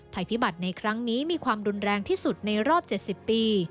ภัยพิบัติในครั้งนี้มีความรุนแรงที่สุดในรอบ๗๐ปี